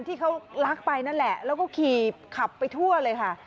ที่เขารักไปนั่นแหละแล้วก็ขี่ขับไปทั่วเลยค่ะ